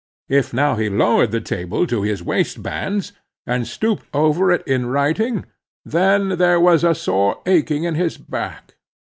If now he lowered the table to his waistbands, and stooped over it in writing, then there was a sore aching in his back.